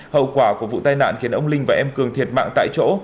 hậu quả của vụ tai nạn khiến ông linh và em cường thiệt mạng tại chỗ